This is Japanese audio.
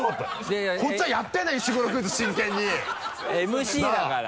ＭＣだから。